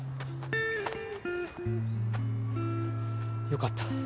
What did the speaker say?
・よかった。